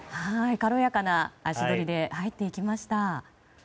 軽やかな足取りで入っていきました。